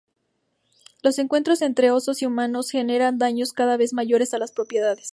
Los encuentros entre osos y humanos generaron daños cada vez mayores a las propiedades.